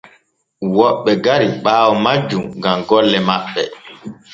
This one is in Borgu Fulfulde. Woɓɓe gari ɓaawo majjum gam golle maɓɓe.